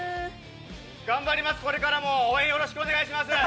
頑張ります、これからも応援よろしくお願いします。